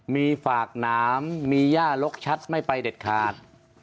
มีฝากหนามมีย่าลกชัดไม่ไปเด็ดขาด